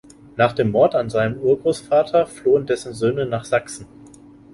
Nach dem Mord an seinem Urgroßvater flohen dessen Söhne nach Sachsen.